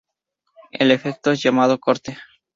El efecto es llamado corte.